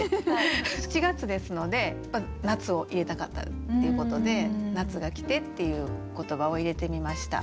７月ですので「夏」を入れたかったっていうことで「夏が来て」っていう言葉を入れてみました。